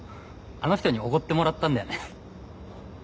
あの人におごってもらったんだよね。